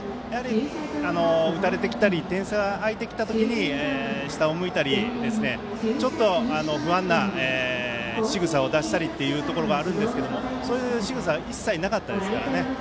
打たれてきたり点差が開いてきた時に下を向いたり、ちょっと不安なしぐさを出したりがあるんですけども、そういうしぐさが一切なかったですから。